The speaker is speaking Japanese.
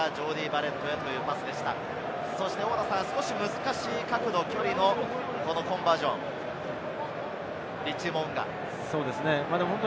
少し難しい角度・距離のコンバージョン、リッチー・モウンガ。